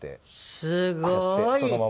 すごい！